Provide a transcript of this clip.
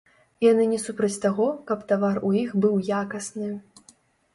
Яны не супраць таго, каб тавар у іх быў якасны.